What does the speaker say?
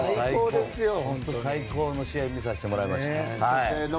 最高の試合を見させてもらいました。